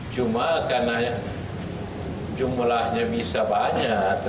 cuma karena jumlahnya bisa banyak